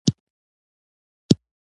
د هغو زرو ګل خبرو څخه چې ما ولیدلې.